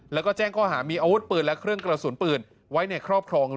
แล้วก็แจ้งข้อหามีอาวุธปืนและเครื่องกระสุนปืนไว้ในครอบครอง